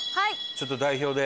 ちょっと代表で。